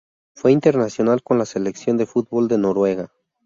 Fue internacional con la selección de fútbol de Noruega.